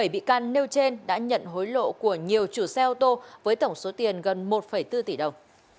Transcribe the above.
bảy bị can nêu trên đã nhận hối lộ của nhiều chủ xe ô tô với tổng số tiền gần một bốn tỷ đồng